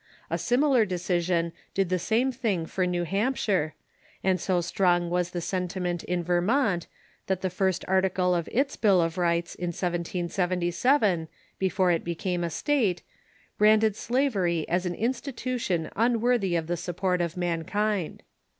A similar decision did the same thing for New Hampshire, and so strong was the sentiment in Vermont that the first article of its Bill of Rights in 1777, before it be came a state, branded slavery as an institution unworthy of the support of mankind.